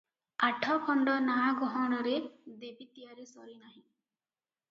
ଆଠଖଣ୍ଡ ନାଆ ଗହଣରେ ଦେବି ତିଆରି ସରି ନାହିଁ ।